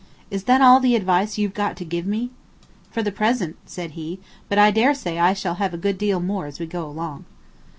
Is that all the advice you've got to give?" "For the present," said he; "but I dare say I shall have a good deal more as we go along."